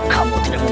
aku meminta paham